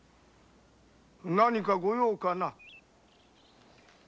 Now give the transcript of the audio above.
・何かご用かな？